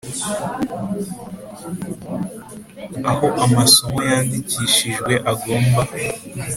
Aho amasomo yandikishijwe agomba